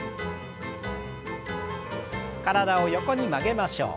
体を横に曲げましょう。